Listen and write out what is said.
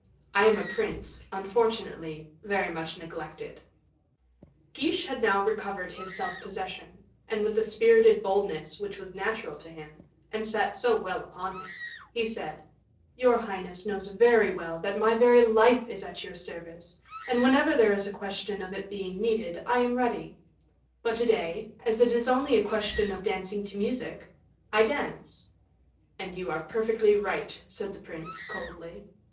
I am a prince, unfortunately, very much neglected." Guiche had now recovered his self possession, and with the spirited boldness which was natural to him, and sat so well upon him, he said, "Your highness knows very well that my very life is at your service, and whenever there is a question of its being needed, I am ready; but to day, as it is only a question of dancing to music, I dance." "And you are perfectly right," said the prince, coldly.